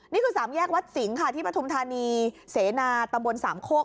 นี่คือสามแยกวัดสิงห์ค่ะที่ปฐุมธานีเสนาตำบลสามโคก